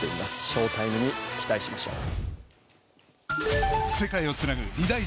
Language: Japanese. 翔タイムに期待しましょう。